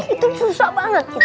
itu susah banget